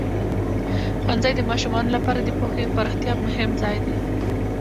ښوونځی د ماشومانو لپاره د پوهې د پراختیا مهم ځای دی.